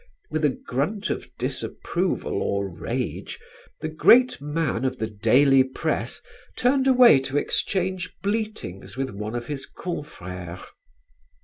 With a grunt of disapproval or rage the great man of the daily press turned away to exchange bleatings with one of his confrères.